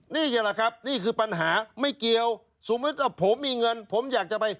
นี่แหละครับนี่คือปัญหาไม่เกี่ยวสมมุติว่าผมมีเงินผมอยากจะไป